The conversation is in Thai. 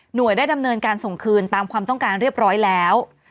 โดยได้ดำเนินการส่งคืนตามความต้องการเรียบร้อยแล้ว